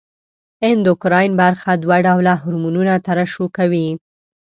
اندوکراین برخه دوه ډوله هورمونونه ترشح کوي.